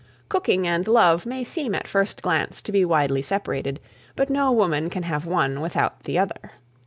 Cooking and love may seem at first glance to be widely separated, but no woman can have one without the other.